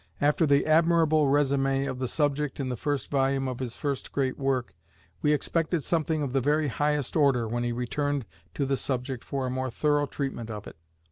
After the admirable résumé of the subject in the first volume of his first great work, we expected something of the very highest order when he returned to the subject for a more thorough treatment of it.